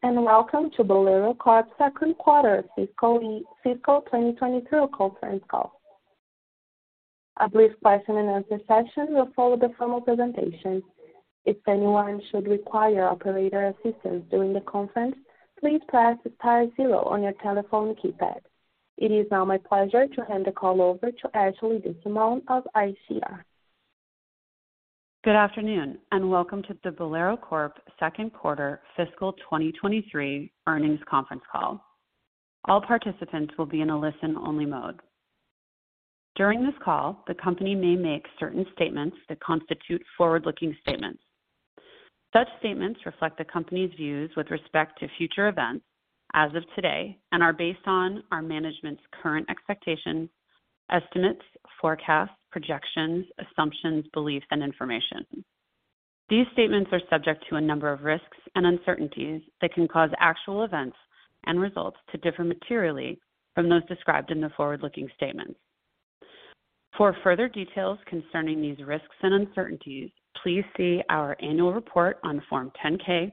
Greetings, welcome to Bowlero Corp.'s second quarter fiscal 2023 conference call. A brief question and answer session will follow the formal presentation. If anyone should require operator assistance during the conference, please press pound zero on your telephone keypad. It is now my pleasure to hand the call over to Ashley DeSimone of ICR. Good afternoon, and welcome to the Bowlero Corp second quarter fiscal 2023 earnings conference call. All participants will be in a listen-only mode. During this call, the company may make certain statements that constitute forward-looking statements. Such statements reflect the company's views with respect to future events as of today, and are based on our management's current expectations, estimates, forecasts, projections, assumptions, beliefs and information. These statements are subject to a number of risks and uncertainties that can cause actual events and results to differ materially from those described in the forward-looking statements. For further details concerning these risks and uncertainties, please see our annual report on Form 10-K,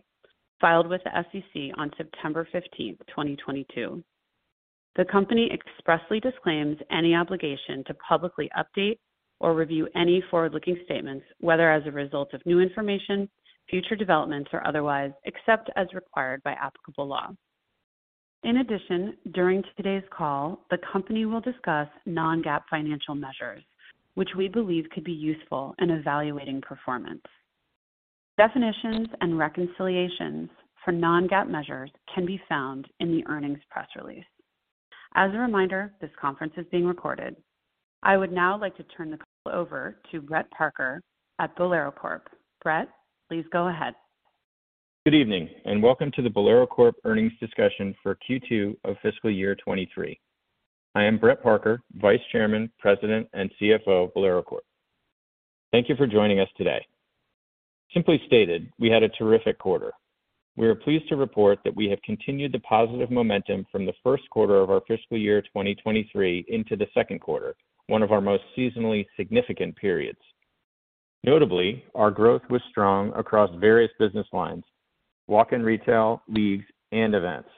filed with the SEC on September 15, 2022. The company expressly disclaims any obligation to publicly update or review any forward-looking statements, whether as a result of new information, future developments or otherwise, except as required by applicable law. During today's call, the company will discuss non-GAAP financial measures which we believe could be useful in evaluating performance. Definitions and reconciliations for non-GAAP measures can be found in the earnings press release. As a reminder, this conference is being recorded. I would now like to turn the call over to Brett Parker at Bowlero Corp. Brett, please go ahead. Good evening, and welcome to the Bowlero Corp earnings discussion for Q2 of fiscal year 2023. I am Brett Parker, Vice Chairman, President and CFO of Bowlero Corp. Thank you for joining us today. Simply stated, we had a terrific quarter. We are pleased to report that we have continued the positive momentum from the first quarter of our fiscal year 2023 into the second quarter, one of our most seasonally significant periods. Notably, our growth was strong across various business lines: walk-in retail, leagues, and events,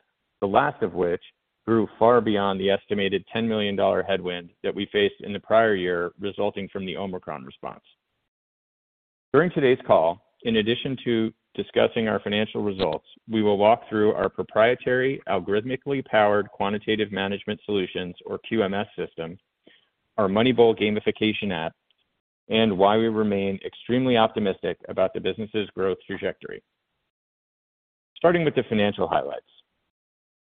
the last of which grew far beyond the estimated $10 million headwind that we faced in the prior year resulting from the Omicron response. During today's call, in addition to discussing our financial results, we will walk through our proprietary algorithmically powered quantitative management solutions or QMS system, our MoneyBowl gamification app, and why we remain extremely optimistic about the business's growth trajectory. Starting with the financial highlights.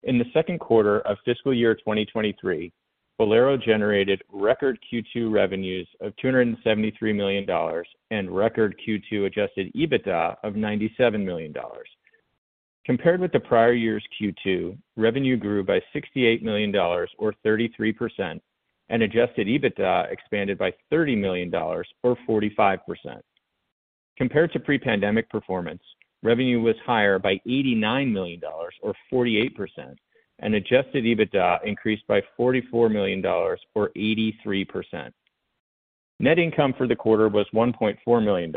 In the second quarter of fiscal year 2023, Bowlero generated record Q2 revenues of $273 million and record Q2 Adjusted EBITDA of $97 million. Compared with the prior year's Q2, revenue grew by $68 million or 33% and adjusted EBITDA expanded by $30 million or 45%. Compared to pre-pandemic performance, revenue was higher by $89 million or 48% and Adjusted EBITDA increased by $44 million or 83%. Net income for the quarter was $1.4 million.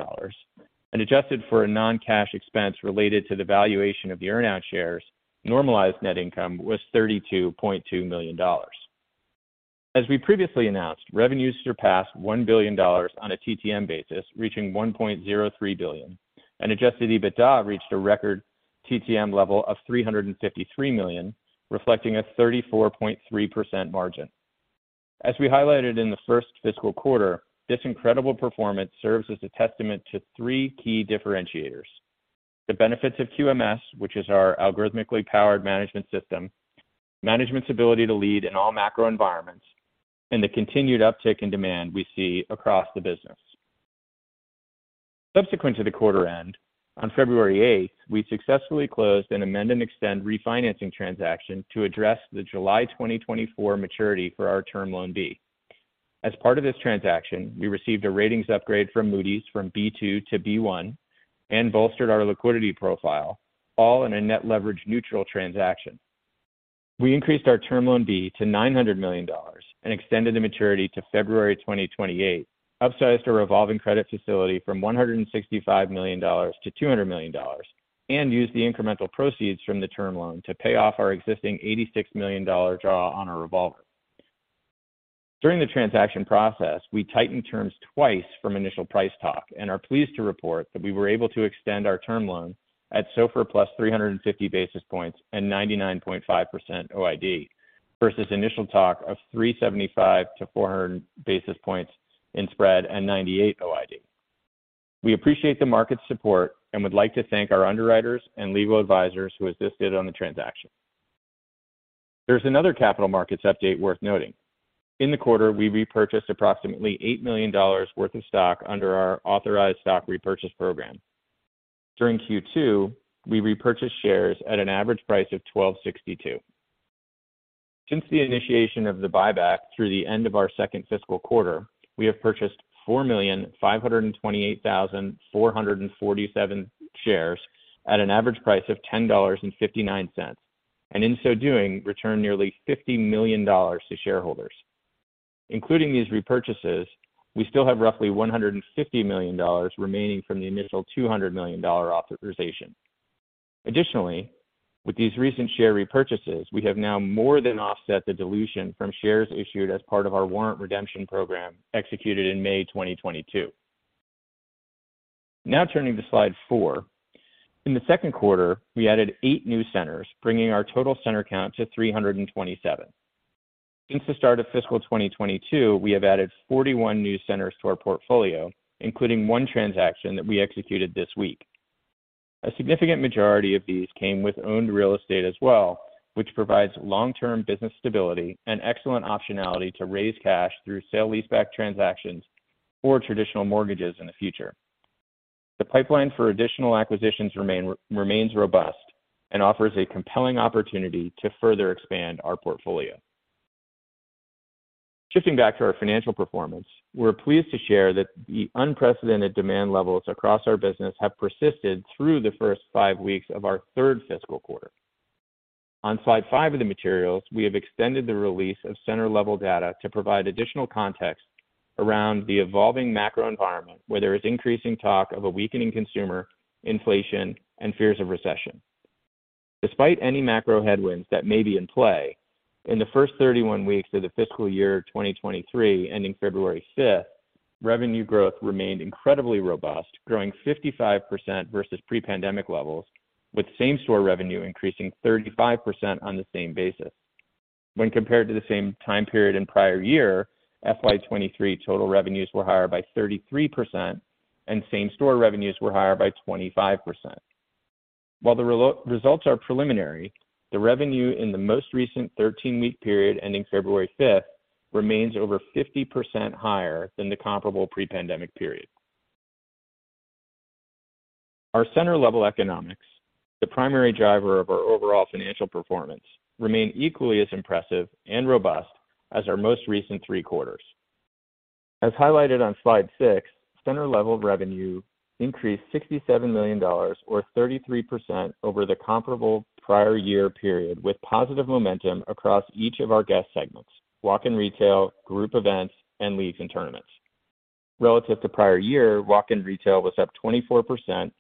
Adjusted for a non-cash expense related to the valuation of the earn out shares, normalized net income was $32.2 million. As we previously announced, revenues surpassed $1 billion on a TTM basis, reaching $1.03 billion, and Adjusted EBITDA reached a record TTM level of $353 million, reflecting a 34.3% margin. As we highlighted in the first fiscal quarter, this incredible performance serves as a testament to three key differentiators: the benefits of QMS, which is our algorithmically powered management system, management's ability to lead in all macro environments, and the continued uptick in demand we see across the business. Subsequent to the quarter end, on February eighth, we successfully closed an amend and extend refinancing transaction to address the July 2024 maturity for our Term Loan B. As part of this transaction, we received a ratings upgrade from Moody's from B2 to B1 and bolstered our liquidity profile, all in a net leverage neutral transaction. We increased our Term Loan B to $900 million and extended the maturity to February 2028, upsized a revolving credit facility from $165 million to $200 million, and used the incremental proceeds from the term loan to pay off our existing $86 million draw on our revolver. During the transaction process, we tightened terms twice from initial price talk and are pleased to report that we were able to extend our term loan at SOFR plus 350 basis points and 99.5% OID versus initial talk of 375-400 basis points in spread and 98 OID. We appreciate the market's support and would like to thank our underwriters and legal advisors who assisted on the transaction. There's another capital markets update worth noting. In the quarter, we repurchased approximately $8 million worth of stock under our authorized stock repurchase program. During Q2, we repurchased shares at an average price of $12.62. Since the initiation of the buyback through the end of our second fiscal quarter, we have purchased 4,528,447 shares at an average price of $10.59, and in so doing, returned nearly $50 million to shareholders. Including these repurchases, we still have roughly $150 million remaining from the initial $200 million authorization. Additionally, with these recent share repurchases, we have now more than offset the dilution from shares issued as part of our warrant redemption program executed in May 2022. Turning to slide 4. In the second quarter, we added eight new centers, bringing our total center count to 327. Since the start of fiscal 2022, we have added 41 new centers to our portfolio, including one transaction that we executed this week. A significant majority of these came with owned real estate as well, which provides long-term business stability and excellent optionality to raise cash through sale leaseback transactions or traditional mortgages in the future. The pipeline for additional acquisitions remains robust and offers a compelling opportunity to further expand our portfolio. Shifting back to our financial performance, we're pleased to share that the unprecedented demand levels across our business have persisted through the first five weeks of our third fiscal quarter. On slide 5 of the materials, we have extended the release of center-level data to provide additional context around the evolving macro environment, where there is increasing talk of a weakening consumer, inflation, and fears of recession. Despite any macro headwinds that may be in play, in the first 31 weeks of the fiscal year 2023, ending February 5th, revenue growth remained incredibly robust, growing 55% versus pre-pandemic levels, with same-store revenue increasing 35% on the same basis. When compared to the same time period in prior year, FY2023 total revenues were higher by 33% and same-store revenues were higher by 25%. While the results are preliminary, the revenue in the most recent 13-week period ending February 5th remains over 50% higher than the comparable pre-pandemic period. Our center-level economics, the primary driver of our overall financial performance, remain equally as impressive and robust as our most recent three quarters. As highlighted on Slide six, center-level revenue increased $67 million or 33% over the comparable prior year period, with positive momentum across each of our guest segments: walk-in retail, group events, and leagues and tournaments. Relative to prior year, walk-in retail was up 24%,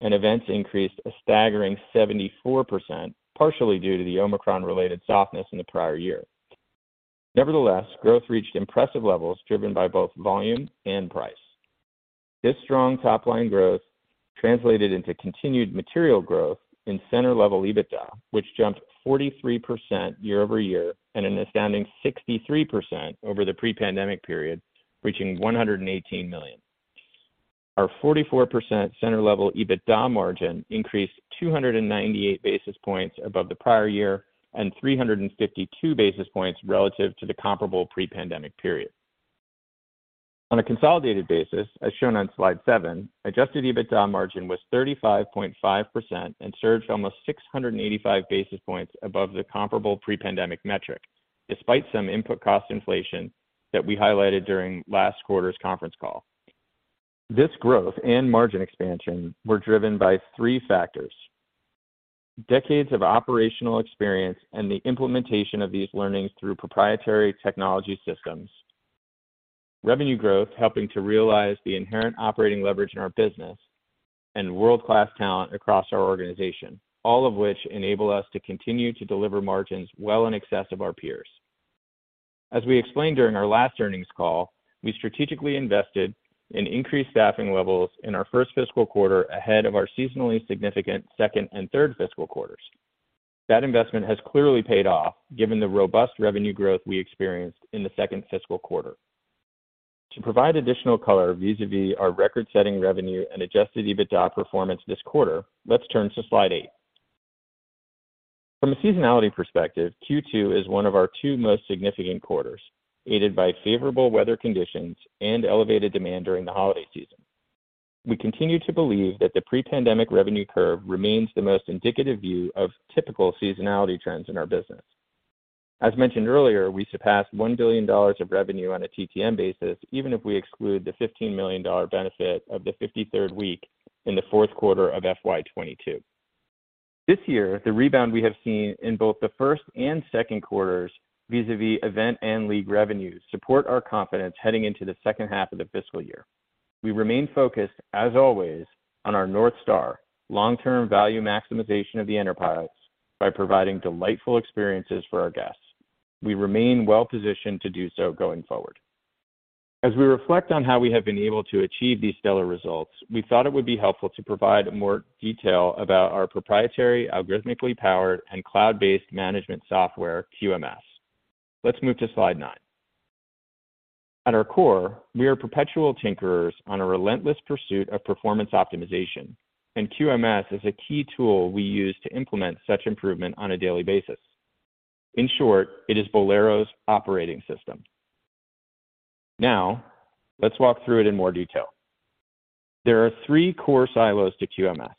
and events increased a staggering 74%, partially due to the Omicron-related softness in the prior year. Nevertheless, growth reached impressive levels driven by both volume and price. This strong top-line growth translated into continued material growth in center-level EBITDA, which jumped 43% year-over-year and an astounding 63% over the pre-pandemic period, reaching $118 million. Our 44% center-level EBITDA margin increased 298 basis points above the prior year and 352 basis points relative to the comparable pre-pandemic period. On a consolidated basis, as shown on Slide 7, adjusted EBITDA margin was 35.5% and surged almost 685 basis points above the comparable pre-pandemic metric, despite some input cost inflation that we highlighted during last quarter's conference call. This growth and margin expansion were driven by three factors: decades of operational experience and the implementation of these learnings through proprietary technology systems, revenue growth helping to realize the inherent operating leverage in our business, and world-class talent across our organization, all of which enable us to continue to deliver margins well in excess of our peers. As we explained during our last earnings call, we strategically invested in increased staffing levels in our first fiscal quarter ahead of our seasonally significant second and third fiscal quarters. That investment has clearly paid off given the robust revenue growth we experienced in the second fiscal quarter. To provide additional color vis-a-vis our record-setting revenue and Adjusted EBITDA performance this quarter, let's turn to Slide eight. From a seasonality perspective, Q2 is one of our two most significant quarters, aided by favorable weather conditions and elevated demand during the holiday season. We continue to believe that the pre-pandemic revenue curve remains the most indicative view of typical seasonality trends in our business. As mentioned earlier, we surpassed $1 billion of revenue on a TTM basis, even if we exclude the $15 million benefit of the 53rd week in the fourth quarter of FY2022. This year, the rebound we have seen in both the first and second quarters vis-a-vis event and league revenues support our confidence heading into the second half of the fiscal year. We remain focused, as always, on our North Star, long-term value maximization of the enterprise by providing delightful experiences for our guests. We remain well-positioned to do so going forward. As we reflect on how we have been able to achieve these stellar results, we thought it would be helpful to provide more detail about our proprietary algorithmically powered and cloud-based management software, QMS. Let's move to Slide nine. At our core, we are perpetual tinkerers on a relentless pursuit of performance optimization, QMS is a key tool we use to implement such improvement on a daily basis. In short, it is Bowlero's operating system. Let's walk through it in more detail. There are three core silos to QMS.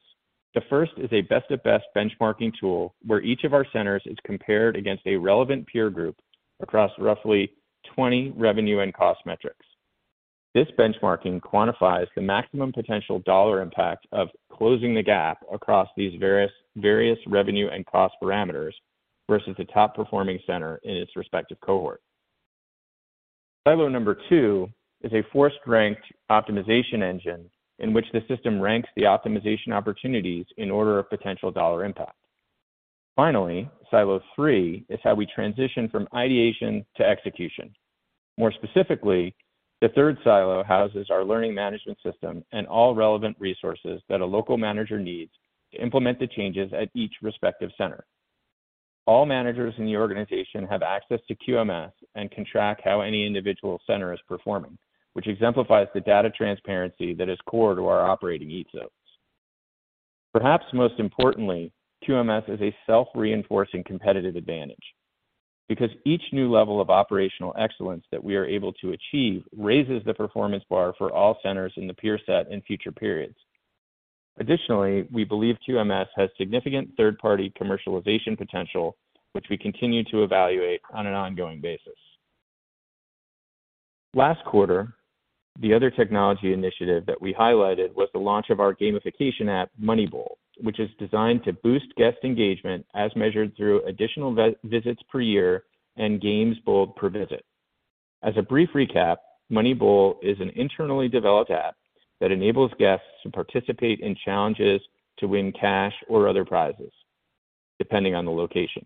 The first is a best of best benchmarking tool where each of our centers is compared against a relevant peer group across roughly 20 revenue and cost metrics. This benchmarking quantifies the maximum potential dollar impact of closing the gap across these various revenue and cost parameters versus the top-performing center in its respective cohort. Silo number two is a forced ranked optimization engine in which the system ranks the optimization opportunities in order of potential dollar impact. Silo three is how we transition from ideation to execution. More specifically, the third silo houses our learning management system and all relevant resources that a local manager needs to implement the changes at each respective center. All managers in the organization have access to QMS and can track how any individual center is performing, which exemplifies the data transparency that is core to our operating ethos. Perhaps most importantly, QMS is a self-reinforcing competitive advantage because each new level of operational excellence that we are able to achieve raises the performance bar for all centers in the peer set in future periods. We believe QMS has significant third-party commercialization potential, which we continue to evaluate on an ongoing basis. Last quarter, the other technology initiative that we highlighted was the launch of our gamification app, MoneyBowl, which is designed to boost guest engagement as measured through additional visits per year and games bowled per visit. As a brief recap, MoneyBowl is an internally developed app that enables guests to participate in challenges to win cash or other prizes, depending on the location.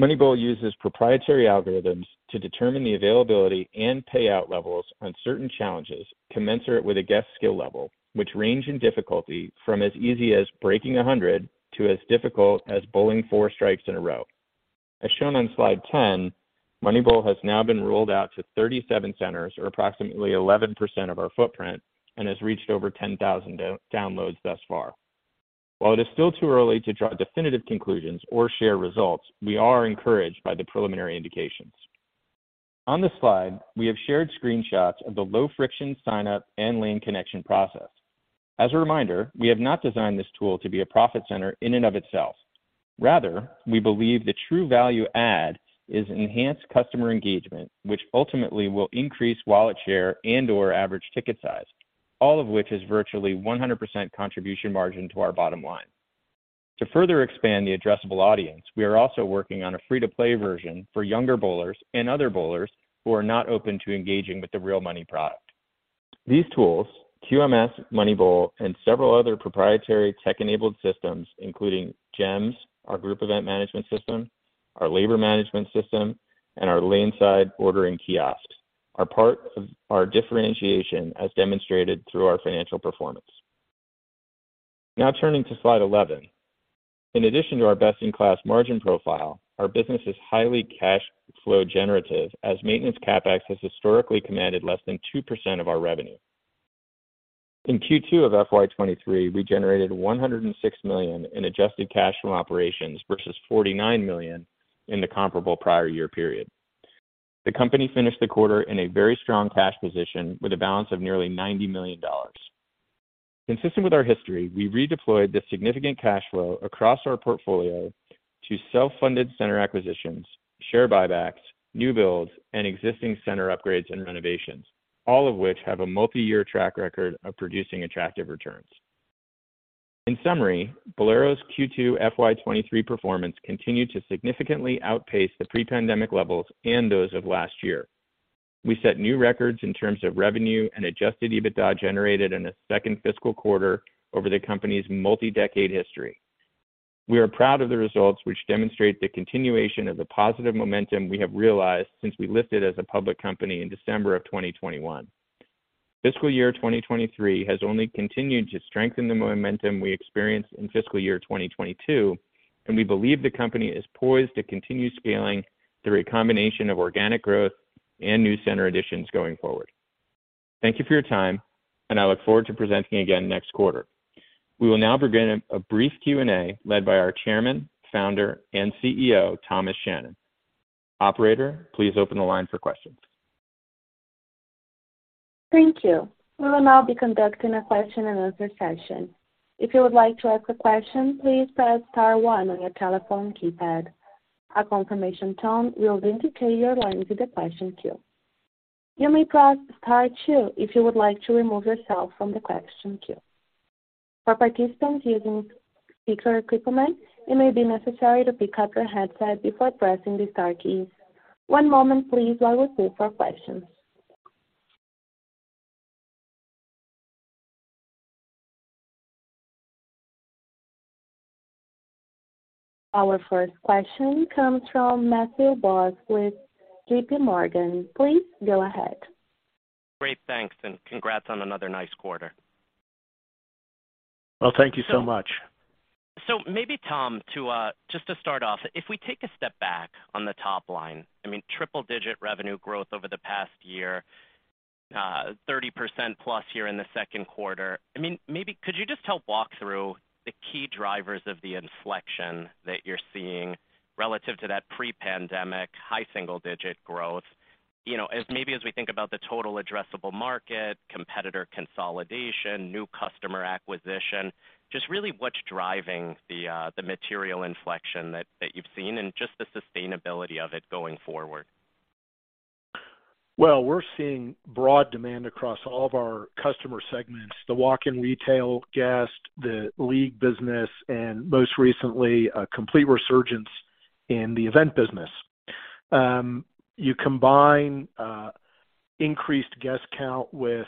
MoneyBowl uses proprietary algorithms to determine the availability and payout levels on certain challenges commensurate with a guest skill level, which range in difficulty from as easy as breaking 100 to as difficult as bowling four strikes in a row. As shown on slide 10, MoneyBowl has now been rolled out to 37 centers or approximately 11% of our footprint and has reached over 10,000 downloads thus far. While it is still too early to draw definitive conclusions or share results, we are encouraged by the preliminary indications. On the slide, we have shared screenshots of the low-friction sign-up and lane connection process. As a reminder, we have not designed this tool to be a profit center in and of itself. Rather, we believe the true value add is enhanced customer engagement, which ultimately will increase wallet share and/or average ticket size, all of which is virtually 100% contribution margin to our bottom line. To further expand the addressable audience, we are also working on a free-to-play version for younger bowlers and other bowlers who are not open to engaging with the real money product. These tools, QMS, MoneyBowl, and several other proprietary tech-enabled systems, including GEMS, our group event management system, our labor management system, and our lane-side ordering kiosks, are part of our differentiation as demonstrated through our financial performance. Now turning to slide 11. In addition to our best-in-class margin profile, our business is highly cash flow generative, as maintenance CapEx has historically commanded less than 2% of our revenue. In Q2 of FY 2023, we generated $106 million in adjusted cash from operations versus $49 million in the comparable prior year period. The company finished the quarter in a very strong cash position with a balance of nearly $90 million. Consistent with our history, we redeployed the significant cash flow across our portfolio to self-funded center acquisitions, share buybacks, new builds, and existing center upgrades and renovations, all of which have a multiyear track record of producing attractive returns. In summary, Bowlero's Q2 FY 2023 performance continued to significantly outpace the pre-pandemic levels and those of last year. We set new records in terms of revenue and Adjusted EBITDA generated in the second fiscal quarter over the company's multi-decade history. We are proud of the results which demonstrate the continuation of the positive momentum we have realized since we listed as a public company in December of 2021. Fiscal year 2023 has only continued to strengthen the momentum we experienced in fiscal year 2022, and we believe the company is poised to continue scaling through a combination of organic growth and new center additions going forward. Thank you for your time, and I look forward to presenting again next quarter. We will now begin a brief Q&A led by our chairman, founder, and CEO, Thomas Shannon. Operator, please open the line for questions. Thank you. We will now be conducting a question and answer session. If you would like to ask a question, please press star one on your telephone keypad. A confirmation tone will indicate you're going through the question queue. You may press star two if you would like to remove yourself from the question queue. For participants using speaker equipment, it may be necessary to pick up your headset before pressing the star keys. One moment please while we wait for questions. Our first question comes from Matthew Boss with JPMorgan. Please go ahead. Great. Thanks, and congrats on another nice quarter. Well, thank you so much. Tom, just to start off, if we take a step back on the top line, I mean, triple-digit revenue growth over the past year, 30% plus here in the second quarter. I mean, maybe could you just help walk through the key drivers of the inflection that you're seeing relative to that pre-pandemic high single-digit growth? You know, as maybe as we think about the total addressable market, competitor consolidation, new customer acquisition, just really what's driving the material inflection that you've seen and just the sustainability of it going forward? Well, we're seeing broad demand across all of our customer segments, the walk-in retail guest, the league business, and most recently, a complete resurgence in the event business. You combine increased guest count with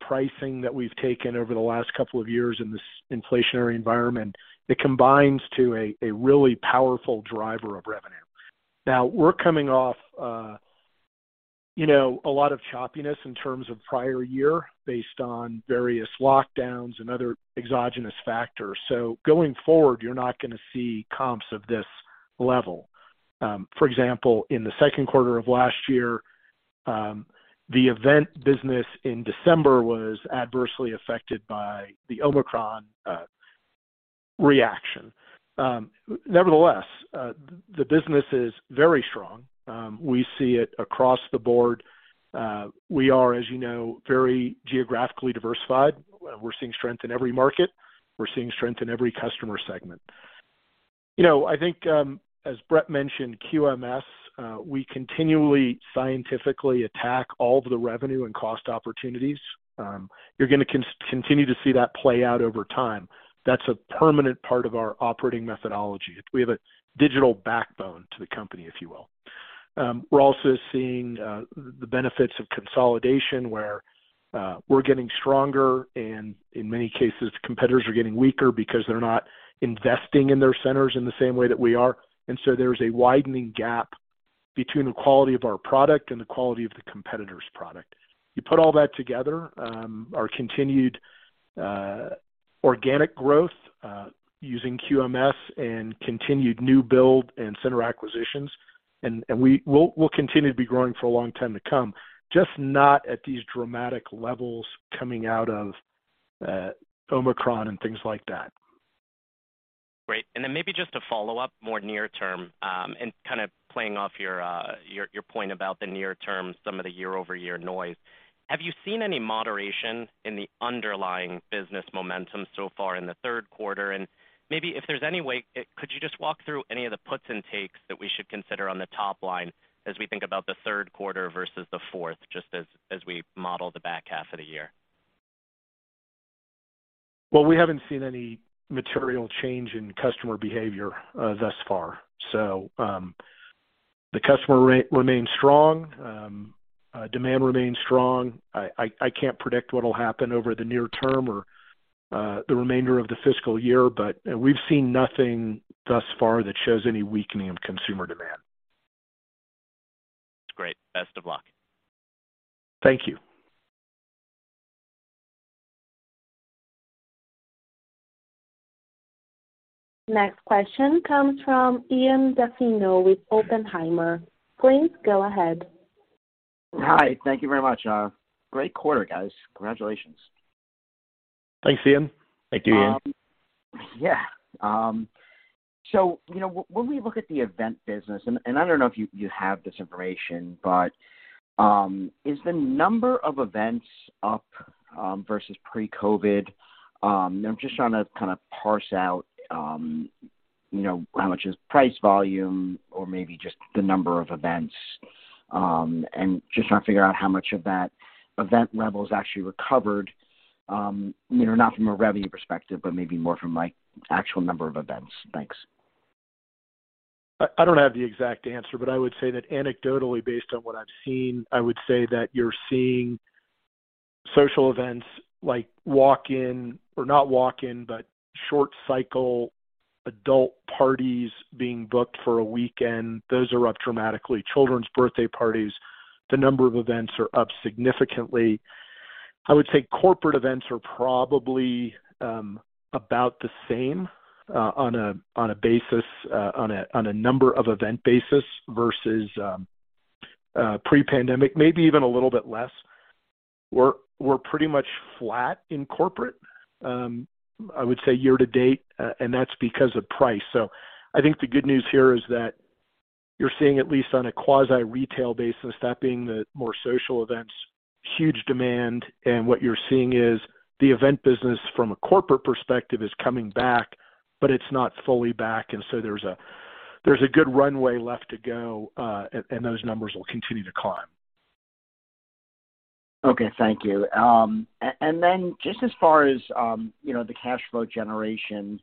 pricing that we've taken over the last couple of years in this inflationary environment. It combines to a really powerful driver of revenue. We're coming off, you know, a lot of choppiness in terms of prior year based on various lockdowns and other exogenous factors. Going forward, you're not gonna see comps of this level. For example, in the second quarter of last year, the event business in December was adversely affected by the Omicron reaction. Nevertheless, the business is very strong. We see it across the board. We are, as you know, very geographically diversified. We're seeing strength in every market. We're seeing strength in every customer segment. You know, I think, as Brett mentioned, QMS, we continually scientifically attack all of the revenue and cost opportunities. You're gonna continue to see that play out over time. That's a permanent part of our operating methodology. We have a digital backbone to the company, if you will. We're also seeing, the benefits of consolidation, where, we're getting stronger, and in many cases, competitors are getting weaker because they're not investing in their centers in the same way that we are. There's a widening gap between the quality of our product and the quality of the competitor's product. You put all that together, our continued organic growth, using QMS and continued new build and center acquisitions, and we'll continue to be growing for a long time to come, just not at these dramatic levels coming out of Omicron and things like that. Great. Then maybe just to follow up more near term, and kinda playing off your point about the near term, some of the year-over-year noise. Have you seen any moderation in the underlying business momentum so far in the third quarter? Maybe if there's any way, could you just walk through any of the puts and takes that we should consider on the top line as we think about the third quarter versus the fourth, just as we model the back half of the year? Well, we haven't seen any material change in customer behavior, thus far. The customer remains strong. Demand remains strong. I can't predict what'll happen over the near term or the remainder of the fiscal year, but we've seen nothing thus far that shows any weakening of consumer demand. Great. Best of luck. Thank you. Next question comes from Ian Zaffino with Oppenheimer. Please go ahead. Hi. Thank you very much. great quarter, guys. Congratulations. Thanks, Ian. Thank you, Ian. Yeah. You know, when we look at the event business, and I don't know if you have this information, but, is the number of events up versus pre-COVID? I'm just trying to kind of parse out, you know, how much is price volume or maybe just the number of events, and just trying to figure out how much of that event level is actually recovered, you know, not from a revenue perspective, but maybe more from like actual number of events. Thanks. I don't have the exact answer, but I would say that anecdotally, based on what I've seen, I would say that you're seeing social events like walk-in or not walk-in, but short cycle adult parties being booked for a weekend. Those are up dramatically. Children's birthday parties, the number of events are up significantly. I would say corporate events are probably about the same on a number of event basis versus pre-pandemic, maybe even a little bit less. We're pretty much flat in corporate, I would say year to date, and that's because of price. I think the good news here is that you're seeing at least on a quasi-retail basis, that being the more social events, huge demand, and what you're seeing is the event business from a corporate perspective is coming back, but it's not fully back. There's a good runway left to go, and those numbers will continue to climb. Okay. Thank you. Just as far as, you know, the cash flow generation,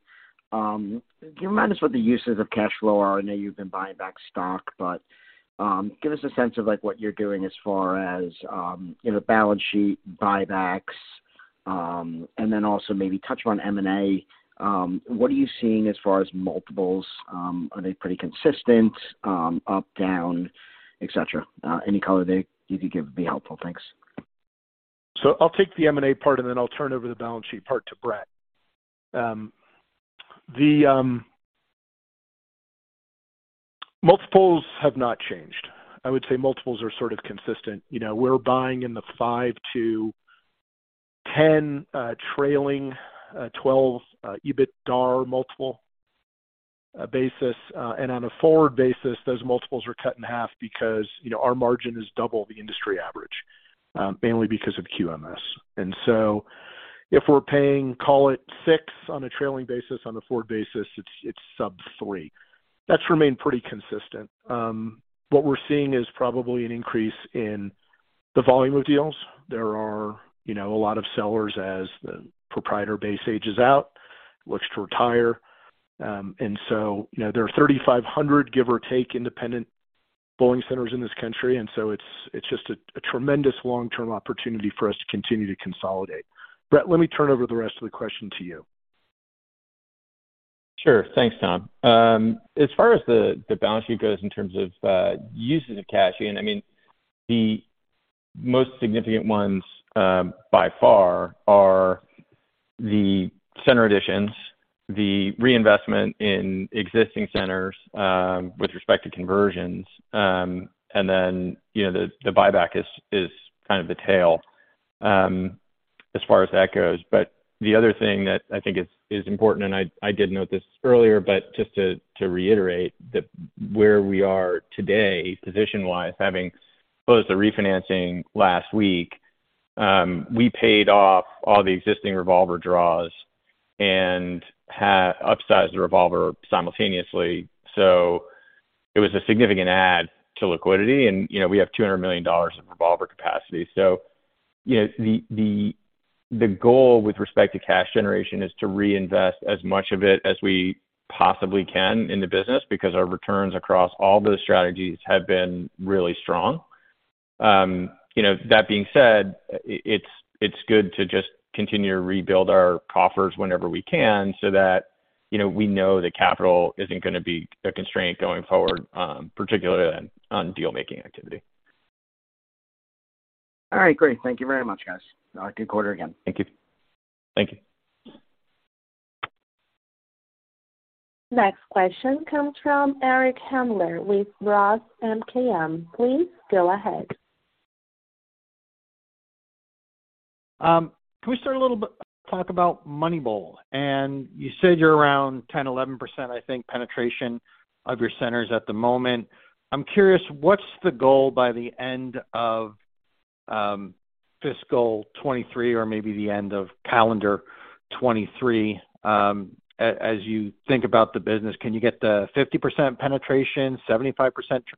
can you remind us what the uses of cash flow are? I know you've been buying back stock, but, give us a sense of like what you're doing as far as, you know, balance sheet buybacks, and then also maybe touch on M&A. What are you seeing as far as multiples? Are they pretty consistent, up, down, et cetera? Any color there you could give would be helpful. Thanks. I'll take the M&A part, and then I'll turn over the balance sheet part to Brett. The multiples have not changed. I would say multiples are sort of consistent. You know, we're buying in the five-10 trailing 12 EBITDA multiple basis. On a forward basis, those multiples are cut in half because, you know, our margin is double the industry average. Mainly because of QMS. If we're paying, call it six on a trailing basis, on a forward basis, it's sub-3. That's remained pretty consistent. What we're seeing is probably an increase in the volume of deals. There are, you know, a lot of sellers as the proprietor base ages out, looks to retire. You know, there are 3,500, give or take, independent bowling centers in this country, and so it's just a tremendous long-term opportunity for us to continue to consolidate. Brett, let me turn over the rest of the question to you. Sure. Thanks, Tom. As far as the balance sheet goes in terms of, uses of cash, I mean, the most significant ones, by far are the center additions, the reinvestment in existing centers, with respect to conversions, and then, you know, the buyback is kind of the tail, as far as that goes. The other thing that I think is important, and I did note this earlier, but just to reiterate that where we are today, position-wise, having closed the refinancing last week, we paid off all the existing revolver draws and upsized the revolver simultaneously. It was a significant add to liquidity and, you know, we have $200 million of revolver capacity. You know, the goal with respect to cash generation is to reinvest as much of it as we possibly can in the business because our returns across all those strategies have been really strong. You know, that being said, it's good to just continue to rebuild our coffers whenever we can so that, you know, we know that capital isn't gonna be a constraint going forward, particularly on deal-making activity. All right. Great. Thank you very much, guys. Have a good quarter again. Thank you. Thank you. Next question comes from Eric Handler with Roth MKM. Please go ahead. Can we start a little talk about MoneyBowl? You said you're around 10-11%, I think, penetration of your centers at the moment. I'm curious, what's the goal by the end of fiscal 2023 or maybe the end of calendar 2023, as you think about the business? Can you get to 50% penetration, 75%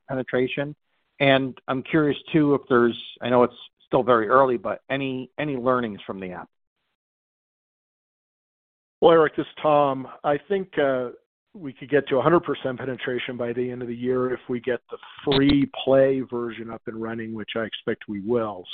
penetration? I'm curious too, if there's... I know it's still very early, but any learnings from the app? Well, Eric, this is Tom. I think we could get to 100% penetration by the end of the year if we get the free play version up and running, which I expect we will.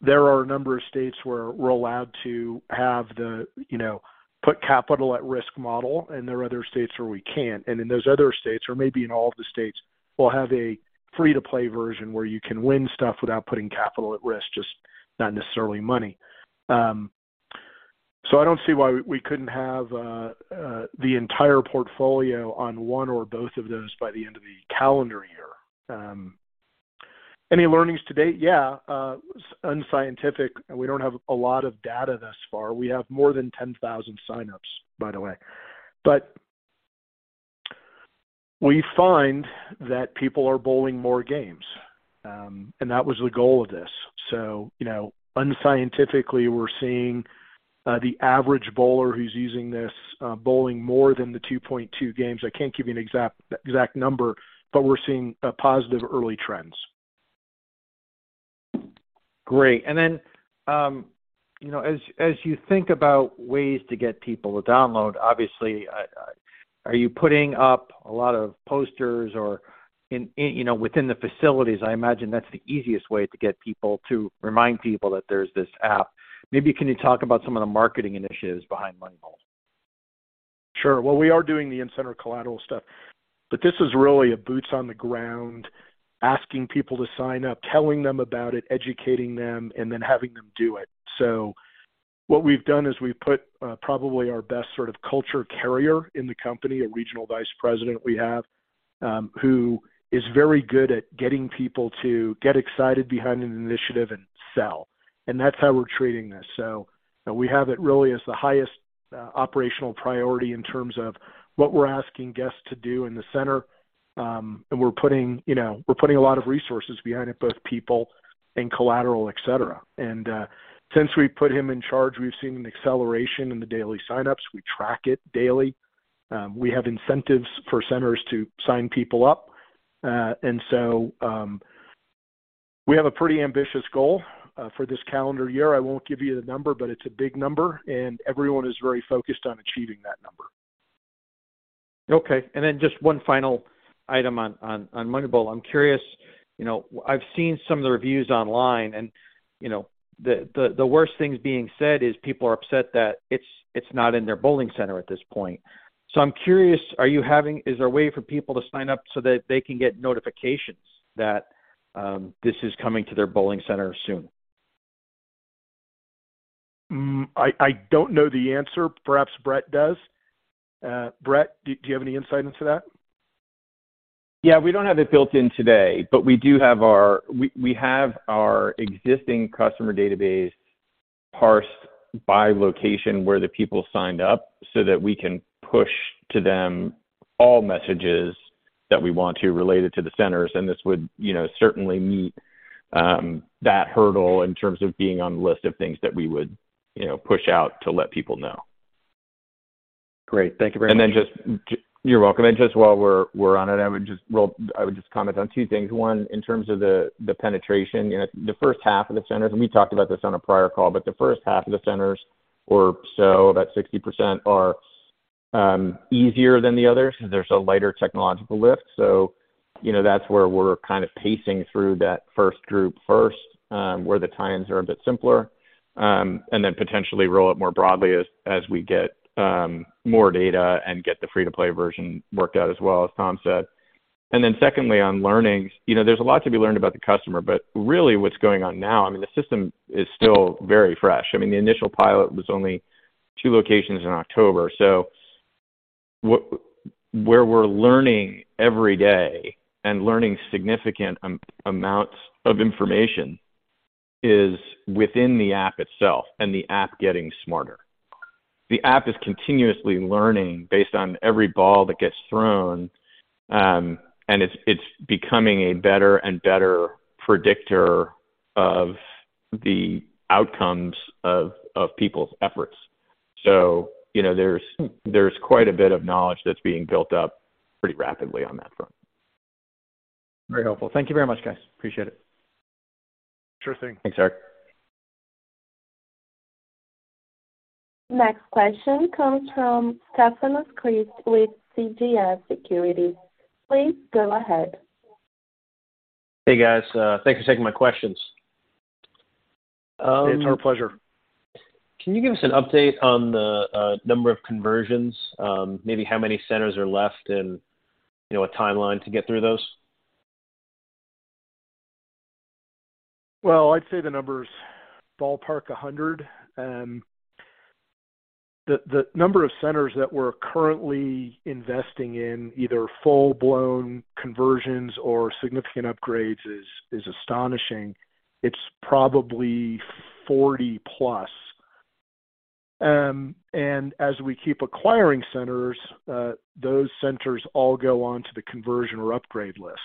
There are a number of states where we're allowed to have the, you know, put capital at risk model, and there are other states where we can't. In those other states, or maybe in all of the states, we'll have a free-to-play version where you can win stuff without putting capital at risk, just not necessarily money. I don't see why we couldn't have the entire portfolio on one or both of those by the end of the calendar year. Any learnings to date? Yeah, unscientific, we don't have a lot of data thus far. We have more than 10,000 signups, by the way. We find that people are bowling more games, and that was the goal of this. You know, unscientifically, we're seeing the average bowler who's using this bowling more than the 2.2 games. I can't give you an exact number, but we're seeing positive early trends. Great. You know, as you think about ways to get people to download, obviously, are you putting up a lot of posters or in, you know, within the facilities? I imagine that's the easiest way to get people to remind people that there's this app. Maybe can you talk about some of the marketing initiatives behind MoneyBowl? Sure. Well, we are doing the in-center collateral stuff, but this is really a boots on the ground, asking people to sign up, telling them about it, educating them, and then having them do it. What we've done is we've put, probably our best sort of culture carrier in the company, a regional vice president we have, who is very good at getting people to get excited behind an initiative and sell. That's how we're treating this. You know, we have it really as the highest operational priority in terms of what we're asking guests to do in the center. We're putting, you know, we're putting a lot of resources behind it, both people and collateral, et cetera. Since we put him in charge, we've seen an acceleration in the daily signups. We track it daily. We have incentives for centers to sign people up. We have a pretty ambitious goal for this calendar year. I won't give you the number, but it's a big number, and everyone is very focused on achieving that number. Okay. Just one final item on MoneyBowl. I'm curious, you know, I've seen some of the reviews online and, you know, the worst things being said is people are upset that it's not in their bowling center at this point. I'm curious, is there a way for people to sign up so that they can get notifications that this is coming to their bowling center soon? I don't know the answer. Perhaps Brett does. Brett, do you have any insight into that? Yeah. We don't have it built in today, but we do have our existing customer database by location where the people signed up so that we can push to them all messages that we want to relate it to the centers, and this would, you know, certainly meet that hurdle in terms of being on the list of things that we would, you know, push out to let people know. Great. Thank you very much. Just you're welcome. Just while we're on it, I would just comment on two things. One, in terms of the penetration, you know, the first half of the centers, we talked about this on a prior call, the first half of the centers or so, about 60% are easier than the others. There's a lighter technological lift. You know, that's where we're kind of pacing through that first group first, where the times are a bit simpler, potentially roll it more broadly as we get more data and get the free-to-play version worked out as well, as Tom said. Secondly, on learnings, you know, there's a lot to be learned about the customer, really what's going on now, I mean, the system is still very fresh. I mean, the initial pilot was only two locations in October. Where we're learning every day and learning significant amounts of information is within the app itself and the app getting smarter. The app is continuously learning based on every ball that gets thrown, and it's becoming a better and better predictor of the outcomes of people's efforts. You know, there's quite a bit of knowledge that's being built up pretty rapidly on that front. Very helpful. Thank you very much, guys. Appreciate it. Interesting. Thanks, Eric. Next question comes from Stefanos Crist with CJS Securities. Please go ahead. Hey, guys. Thanks for taking my questions. It's our pleasure. Can you give us an update on the number of conversions, maybe how many centers are left and, you know, a timeline to get through those? Well, I'd say the numbers ballpark 100. The number of centers that we're currently investing in, either full-blown conversions or significant upgrades is astonishing. It's probably 40+. As we keep acquiring centers, those centers all go on to the conversion or upgrade list.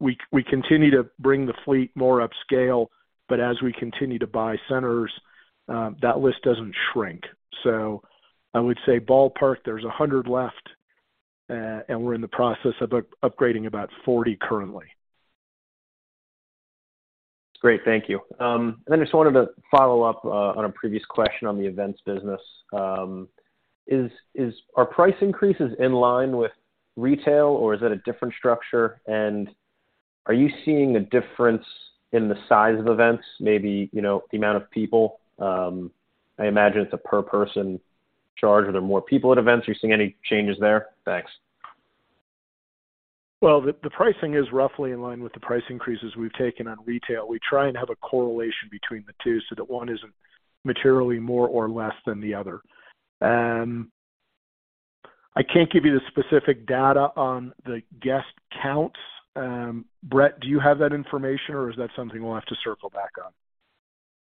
We continue to bring the fleet more upscale, but as we continue to buy centers, that list doesn't shrink. I would say ballpark, there's 100 left, and we're in the process of upgrading about 40 currently. Great. Thank you. I just wanted to follow up on a previous question on the events business. Are price increases in line with retail, or is it a different structure? Are you seeing a difference in the size of events, maybe, you know, the amount of people? I imagine it's a per person charge or there more people at events. Are you seeing any changes there? Thanks. Well, the pricing is roughly in line with the price increases we've taken on retail. We try and have a correlation between the two so that one isn't materially more or less than the other. I can't give you the specific data on the guest counts. Brett, do you have that information, or is that something we'll have to circle back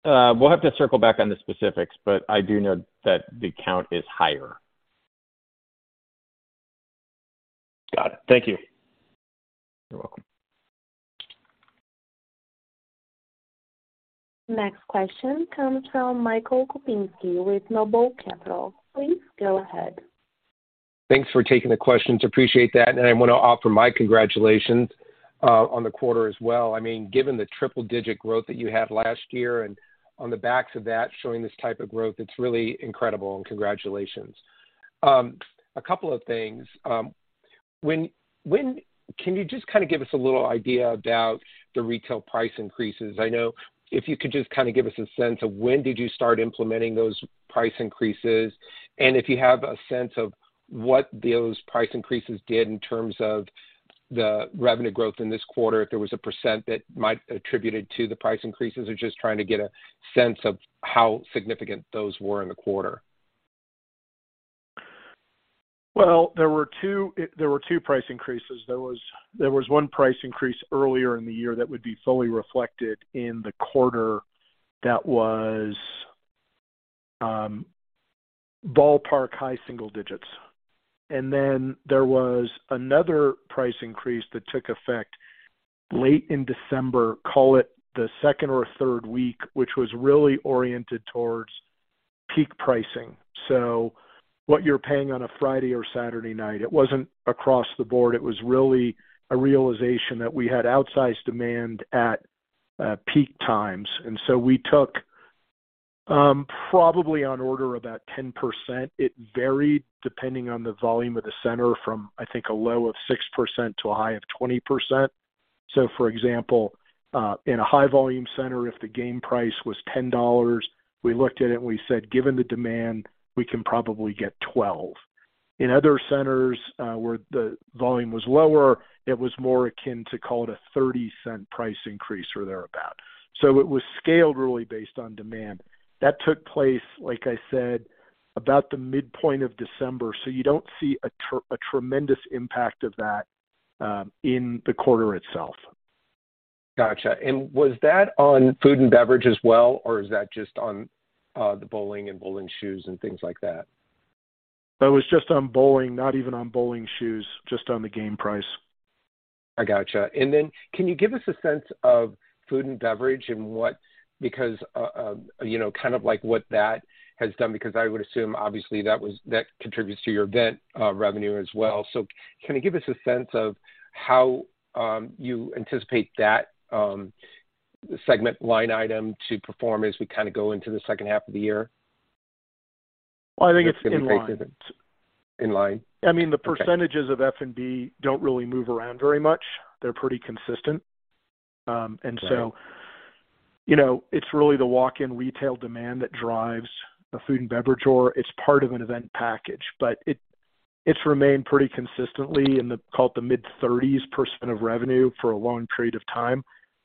on? We'll have to circle back on the specifics, but I do know that the count is higher. Got it. Thank you. You're welcome. Next question comes from Michael Kupinski with Noble Capital Markets. Please go ahead. Thanks for taking the questions. Appreciate that. I wanna offer my congratulations on the quarter as well. I mean, given the triple-digit growth that you had last year and on the backs of that, showing this type of growth, it's really incredible. Congratulations. A couple of things. Can you just kind of give us a little idea about the retail price increases? If you could just kind of give us a sense of when did you start implementing those price increases, and if you have a sense of what those price increases did in terms of the revenue growth in this quarter, if there was a % that might attributed to the price increases. I'm just trying to get a sense of how significant those were in the quarter. Well, there were two price increases. There was one price increase earlier in the year that would be fully reflected in the quarter that was ballpark high single digits. There was another price increase that took effect late in December, call it the second or third week, which was really oriented towards peak pricing. What you're paying on a Friday or Saturday night. It wasn't across the board, it was really a realization that we had outsized demand at peak times. We took probably on order about 10%. It varied depending on the volume of the center from, I think, a low of 6% to a high of 20%. For example, in a high volume center, if the game price was $10, we looked at it and we said, given the demand, we can probably get $12. In other centers, where the volume was lower, it was more akin to call it a $0.30 price increase or thereabout. It was scaled really based on demand. That took place, like I said, about the midpoint of December. You don't see a tremendous impact of that in the quarter itself. Gotcha. was that on food and beverage as well, or is that just on the bowling and bowling shoes and things like that? That was just on bowling, not even on bowling shoes, just on the game price. I gotcha. Can you give us a sense of food and beverage and because, you know, kind of like what that has done because I would assume obviously that contributes to your event revenue as well. Can you give us a sense of how you anticipate that segment line item to perform as we kinda go into the second half of the year? I think it's in line. In line? Okay. I mean, the percentages of F&B don't really move around very much. They're pretty consistent. Right you know, it's really the walk-in retail demand that drives a food and beverage or it's part of an event package. It's remained pretty consistently call it the mid-30s% of revenue for a long period of time.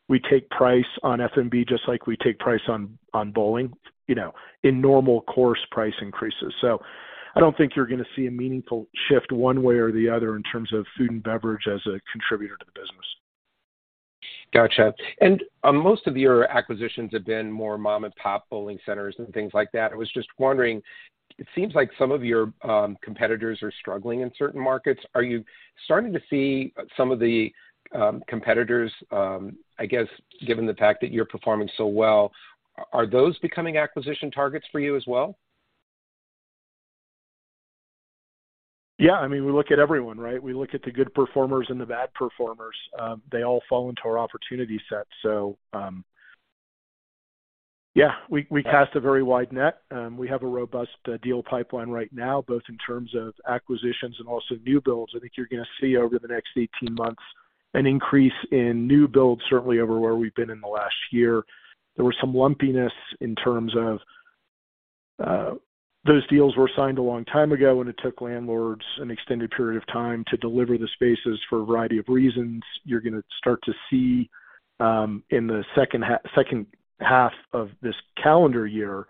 We take price on F&B just like we take price on bowling, you know, in normal course price increases. I don't think you're gonna see a meaningful shift one way or the other in terms of food and beverage as a contributor to the business. Gotcha. Most of your acquisitions have been more mom and pop bowling centers and things like that. I was just wondering, it seems like some of your competitors are struggling in certain markets. Are you starting to see some of the competitors, I guess given the fact that you're performing so well, are those becoming acquisition targets for you as well? I mean, we look at everyone, right? We look at the good performers and the bad performers. They all fall into our opportunity set. Yeah, we cast a very wide net. We have a robust deal pipeline right now, both in terms of acquisitions and also new builds. I think you're gonna see over the next 18 months an increase in new builds, certainly over where we've been in the last year. There was some lumpiness in terms of those deals were signed a long time ago, and it took landlords an extended period of time to deliver the spaces for a variety of reasons. You're gonna start to see in the second half of this calendar year,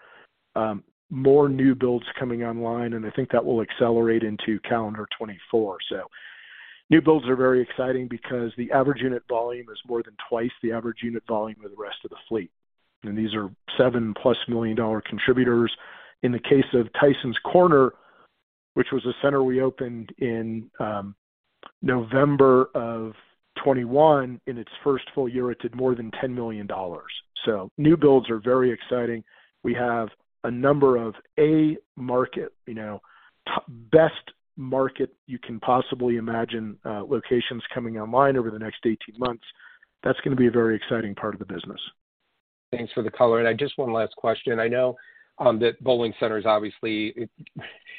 more new builds coming online, and I think that will accelerate into calendar 2024. New builds are very exciting because the average unit volume is more than twice the average unit volume of the rest of the fleet. These are $7+ million contributors. In the case of Tysons Corner, which was a center we opened in November 2021, in its first full year, it did more than $10 million. New builds are very exciting. We have a number of A market, you know, best market you can possibly imagine, locations coming online over the next 18 months. That's gonna be a very exciting part of the business. Thanks for the color. I just one last question. I know, that bowling centers, obviously,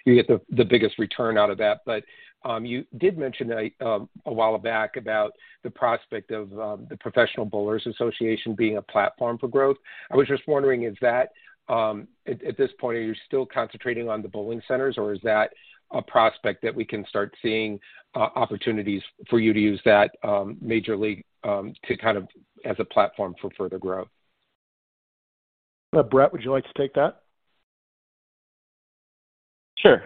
you get the biggest return out of that. You did mention a while back about the prospect of the Professional Bowlers Association being a platform for growth. I was just wondering, is that... At this point, are you still concentrating on the bowling centers, or is that a prospect that we can start seeing opportunities for you to use that major league to kind of as a platform for further growth? Brett, would you like to take that? Sure.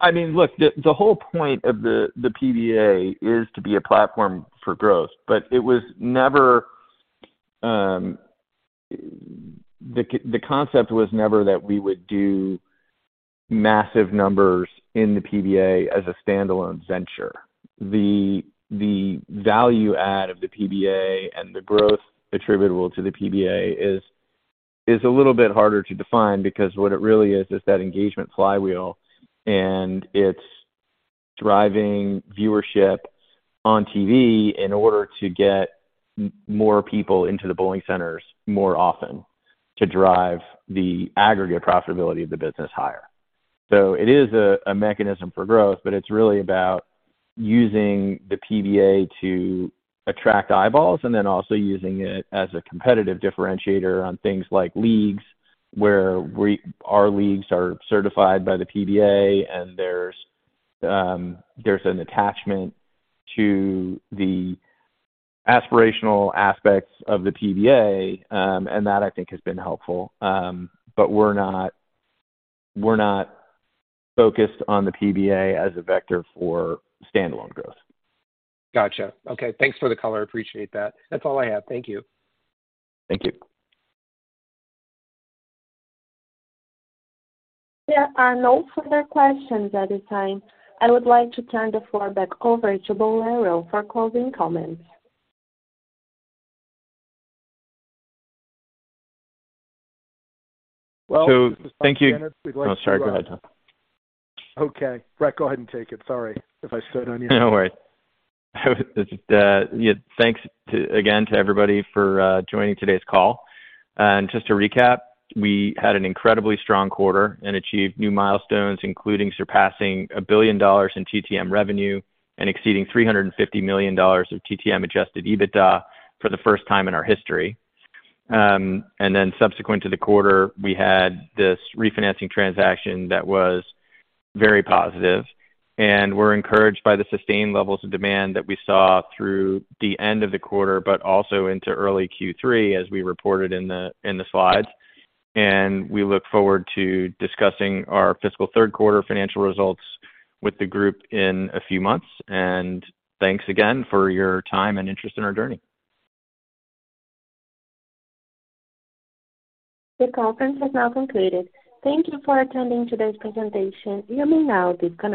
I mean, look, the whole point of the PBA is to be a platform for growth. It was never the concept was never that we would do massive numbers in the PBA as a standalone venture. The value add of the PBA and the growth attributable to the PBA is a little bit harder to define because what it really is is that engagement flywheel. It's driving viewership on TV in order to get more people into the bowling centers more often to drive the aggregate profitability of the business higher. It is a mechanism for growth, but it's really about using the PBA to attract eyeballs and then also using it as a competitive differentiator on things like leagues, where our leagues are certified by the PBA and there's an attachment to the aspirational aspects of the PBA, and that I think has been helpful. But we're not, we're not focused on the PBA as a vector for standalone growth. Gotcha. Okay, thanks for the color. I appreciate that. That's all I have. Thank you. Thank you. There are no further questions at this time. I would like to turn the floor back over to Bowlero for closing comments. Well, this is Thomas Shannon. Thank you. Oh, sorry. Go ahead. Okay. Brett, go ahead and take it. Sorry if I stood on you. No worries. Yeah. Thanks again to everybody for joining today's call. Just to recap, we had an incredibly strong quarter and achieved new milestones, including surpassing $1 billion in TTM revenue and exceeding $350 million of TTM Adjusted EBITDA for the first time in our history. Subsequent to the quarter, we had this refinancing transaction that was very positive. We're encouraged by the sustained levels of demand that we saw through the end of the quarter, but also into early Q3, as we reported in the slides. We look forward to discussing our fiscal third quarter financial results with the group in a few months. Thanks again for your time and interest in our journey. The conference has now concluded. Thank you for attending today's presentation. You may now disconnect.